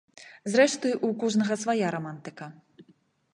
Зрэшты, у кожнага свая рамантыка.